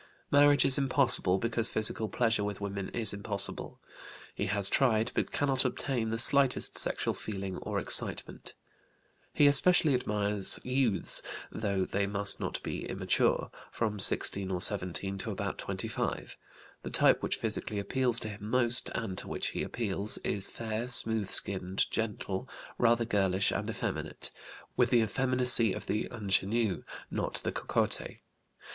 Marriage is impossible, because physical pleasure with women is impossible; he has tried, but cannot obtain, the slightest sexual feeling or excitement. He especially admires youths (though they must not be immature) from 16 or 17 to about 25. The type which physically appeals to him most, and to which he appeals, is fair, smooth skinned, gentle, rather girlish and effeminate, with the effeminacy of the ingénue, not the cocotte.